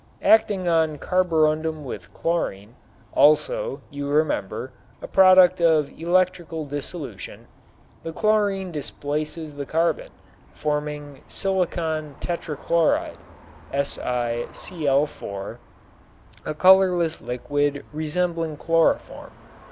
Acting on carborundum with chlorine also, you remember, a product of electrical dissolution the chlorine displaces the carbon, forming silicon tetra chloride (SiCl_), a colorless liquid resembling chloroform.